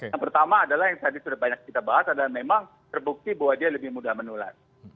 yang pertama adalah yang tadi sudah banyak kita bahas adalah memang terbukti bahwa dia lebih mudah menular